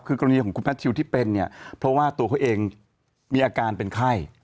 คือกรณีของคุณแมททิวที่เป็นเนี่ยเพราะว่าตัวเขาเองมีอาการเป็นไข้